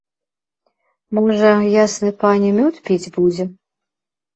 Можа, ясны пане мёд піць будзе?